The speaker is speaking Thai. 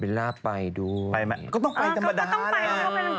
เบลล่าไปด้วยก็ต้องไปธรรมดาแล้ว